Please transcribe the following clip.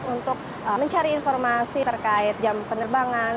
untuk mencari informasi terkait jam penerbangan